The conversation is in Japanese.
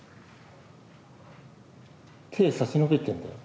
手差し伸べてんだよ。